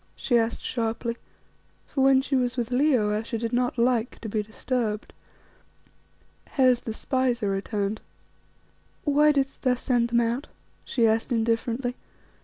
she asked sharply; for when she was with Leo Ayesha did not like to be disturbed. "Hes, the spies are returned." "Why didst thou send them out?" she asked indifferently.